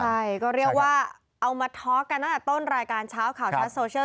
ใช่ก็เรียกว่าเอามาท็อกกันตั้งแต่ต้นรายการเช้าข่าวชัดโซเชียล